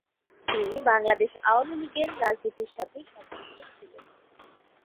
তিনি বাংলাদেশ আওয়ামী লীগের রাজনীতির সাথে সম্পৃক্ত ছিলেন।